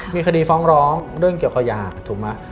มีคดีฟ้องร้องเรื่องเกี่ยวกับยาถูกไหม